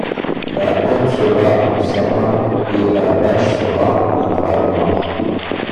La hotte sera en sapin, et la bâche sera un drap noir.